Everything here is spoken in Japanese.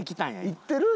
行ってる？